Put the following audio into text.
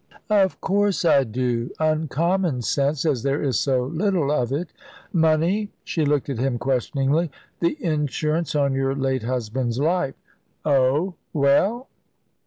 "Of course I do; uncommon sense, as there is so little of it. Money?" She looked at him questioningly. "The insurance on your late husband's life." "Oh! Well?"